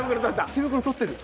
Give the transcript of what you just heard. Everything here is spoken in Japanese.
手袋取ってる。